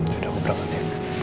sudah aku berhenti